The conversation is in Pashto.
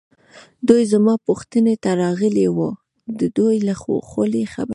دوی زما پوښتنې ته راغلي وو، د دوی له خولې خبر شوم.